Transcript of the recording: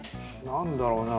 何だろうな？